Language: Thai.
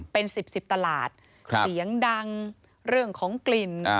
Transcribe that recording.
เป็น๑๐๑๐ตลาดเสียงดังเรื่องของกลิ่น